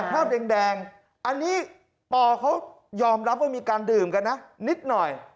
ภาพแดงอันนี้ปอเขายอมรับว่ามีการดื่มกันนะนิดหน่อย